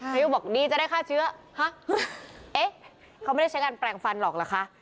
อายุบอกดีจะได้ฆ่าเชื้อฮะเอ๊ะเขาไม่ได้ใช้การแปลงฟันหรอกเหรอคะ